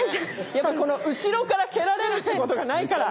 やっぱ後ろから蹴られるってことがないから。